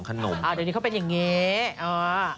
ใครเปล่า